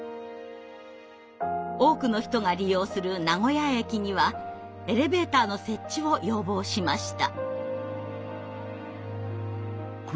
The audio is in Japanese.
多くの人が利用する名古屋駅にはエレベーターの設置を要望しました。